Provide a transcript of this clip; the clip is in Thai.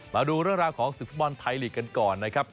มาดูเรื่องราวของศึกฟุตบอลไทยลีกกันก่อนนะครับ